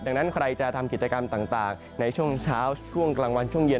ดังนั้นใครจะทำกิจกรรมต่างในช่วงเช้าช่วงกลางวันช่วงเย็น